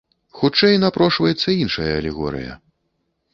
Хутчэй напрошваецца іншая алегорыя.